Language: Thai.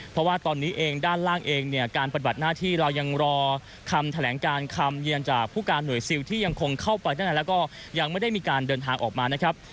เพราะว่าตอนนี้เองด้านล่างเองเนี่ยการปฏิบัติหน้าที่เรายังรอคำแถลงการคำยืนยันจากผู้การหน่วยซิลที่ยังคงเข้าไปด้านในแล้วก็ยังไม่ได้มีการเดินทางออกมานะครับ